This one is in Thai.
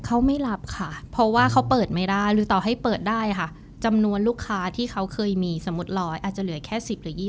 เขาไม่รับค่ะเพราะว่าเขาเปิดไม่ได้หรือต่อให้เปิดได้ค่ะจำนวนลูกค้าที่เขาเคยมีสมมุติ๑๐๐อาจจะเหลือแค่๑๐หรือ๒๐